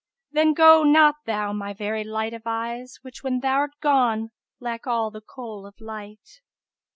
Then go not thou, my very light of eyes * Which, when thou'rt gone, lack all the Kohl of light."